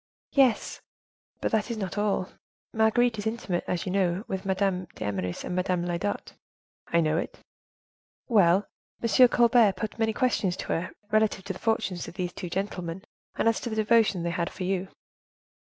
"Yes, but that is not all: Marguerite is intimate, as you know, with Madame d'Eymeris and Madame Lyodot." "I know it." "Well, M. Colbert put many questions to her, relative to the fortunes of these two gentlemen, and as to the devotion they had for you."